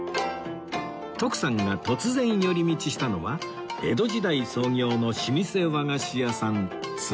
徳さんが突然寄り道したのは江戸時代創業の老舗和菓子屋さん鶴屋八幡